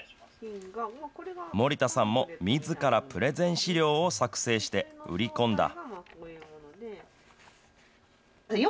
森田さんもみずからプレゼン資料を作成して、売り込んだ。